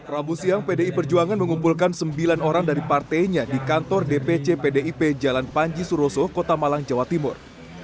rabu siang pdi perjuangan mengumpulkan sembilan orang dari partainya di kantor dpc pdip jalan panji suroso kota malang jawa timur